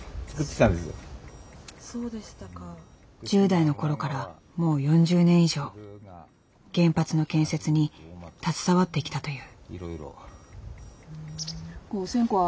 １０代の頃からもう４０年以上原発の建設に携わってきたという。